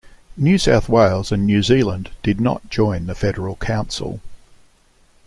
New South Wales and New Zealand did not join the Federal Council.